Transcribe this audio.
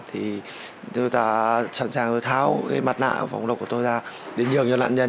thì chúng ta sẵn sàng tháo cái mặt nạ phòng độc của tôi ra để nhường cho nạn nhân